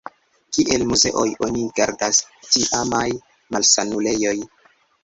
Kiel muzeoj oni gardas tiamaj malsanulejoj.